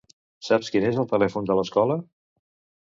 Saps quin és el telèfon de l'escola?